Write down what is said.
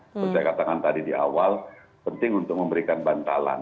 seperti saya katakan tadi di awal penting untuk memberikan bantalan